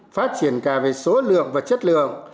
phát triển cả về số lượng và chất lượng